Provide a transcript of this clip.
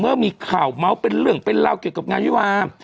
เมื่อมีข่าวเมาส์เป็นเรื่องเป็นราวเกี่ยวกับงานวิวา